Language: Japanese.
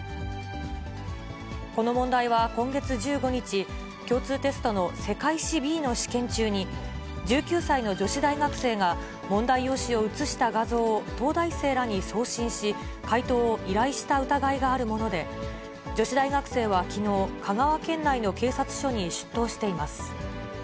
この問題は今月１５日、共通テストの世界史Ｂの試験中に、１９歳の女子大学生が、問題用紙を写した画像を東大生らに送信し、解答を依頼した疑いがあるもので、女子大学生はきのう、香川県内の警察署に出頭しています。